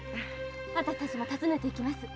あたしたちも訪ねていきます。